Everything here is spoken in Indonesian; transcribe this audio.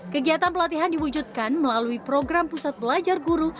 kegiatan pelatihan diwujudkan melalui program pusat belajar guru